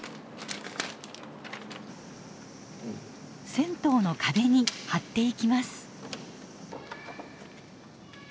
銭湯の壁に貼っていきます。